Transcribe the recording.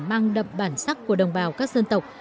mang đậm bản sắc của đồng bào các dân tộc